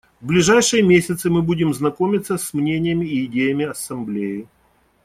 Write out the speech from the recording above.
В ближайшие месяцы мы будем знакомиться с мнениями и идеями Ассамблеи.